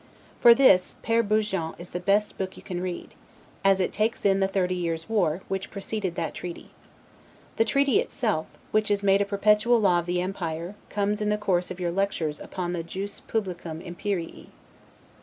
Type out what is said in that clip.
For this, Pere Bougeant is the best book you can read, as it takes in the thirty years' war, which preceded that treaty. The treaty itself, which is made a perpetual law of the empire, comes in the course of your lectures upon the 'Jus Publicum Imperii'.